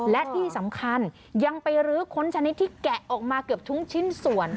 และที่สำคัญยังไปรื้อค้นชนิดที่แกะออกมาเกือบทุกชิ้นส่วน